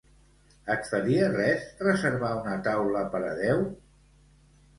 Et faria res reservar una taula per a deu?